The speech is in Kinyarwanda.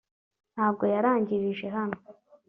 ntabwo yarangirije hano